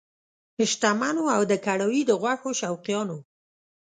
شتمنو او د کړایي د غوښو شوقیانو!